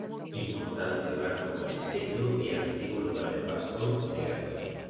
Importante banco marisqueiro e antigo lugar de pasto de gando.